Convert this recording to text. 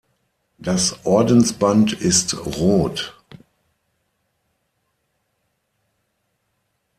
Das Ordensband ist rot.